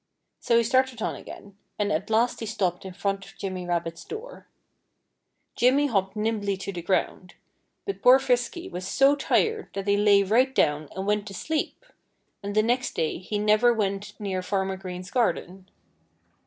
So he started on again. And at last he stopped in front of Jimmy Rabbit's door. Jimmy hopped nimbly to the ground. But poor Frisky was so tired that he lay right down and went to sleep. And the next day he never went near Farmer Green's garden.